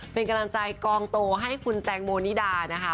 เป็นกำลังใจกองโตให้คุณแตงโมนิดานะคะ